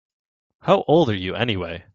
How old are you anyway?